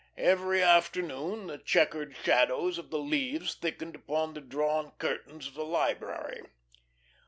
Every afternoon the checkered shadows of the leaves thickened upon the drawn curtains of the library.